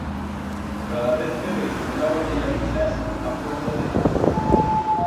Cada vez que veigo una botella d'ixas, m'acuerdo d'ella.